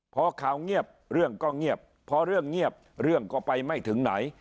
พอข่าวเงียบเรื่องก็เงียบพอเรื่องเงียบเรื่องก็ไปไม่ถึงไหน